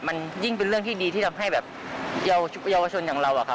มันยิ่งเป็นเรื่องที่ดีที่ทำให้แบบเยาวชนอย่างเราอะครับ